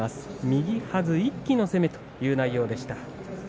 右はずで一気の攻めという内容でした。